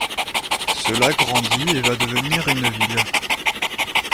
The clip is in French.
Cela grandit et va devenir une ville.